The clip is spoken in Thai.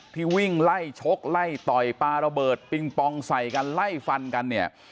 วิ่งไล่ชกไล่ต่อยปลาระเบิดปิงปองใส่กันไล่ฟันกันเนี่ย